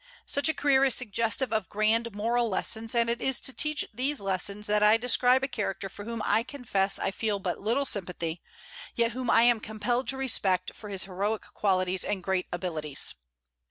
Such a career is suggestive of grand moral lessons; and it is to teach these lessons that I describe a character for whom I confess I feel but little sympathy, yet whom I am compelled to respect for his heroic qualities and great abilities.